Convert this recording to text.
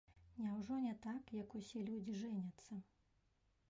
Няўжо не так, як усе людзі жэняцца?